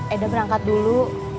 eda berangkat dulu